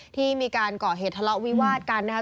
ที่มีการก่อเหตุทะเลาะวิวาดกันนะครับ